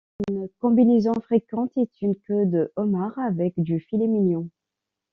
Une combinaison fréquente est une queue de homard avec du filet mignon.